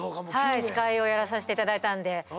司会をやらさせていただいたんで。